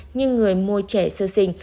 như người mua trẻ sơ sinh